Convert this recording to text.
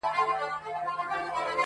لکه وروڼه په قسمت به شریکان یو!!